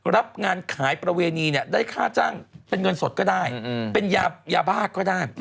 รับงานขายประเวณีเนี่ยได้ค่าจ้างเป็นเงินสดก็ได้เป็นยาบ้าก็ได้